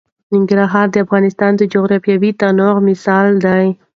ننګرهار د افغانستان د جغرافیوي تنوع مثال دی.